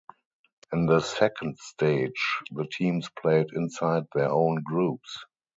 In the second stage, the teams played inside their own groups.